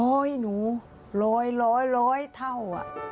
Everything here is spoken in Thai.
โอ้ยหนูร้อยเท่า